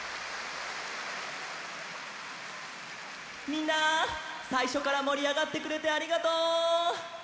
みんなさいしょからもりあがってくれてありがとう！